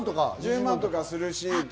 １０万とかするし。